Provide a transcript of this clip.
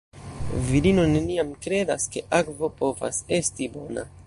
Virino neniam kredas, ke akvo povas esti bona.